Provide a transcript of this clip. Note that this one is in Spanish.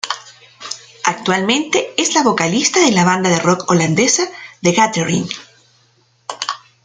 Actualmente es la vocalista de la banda de rock holandesa The Gathering.